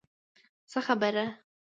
څه خبره.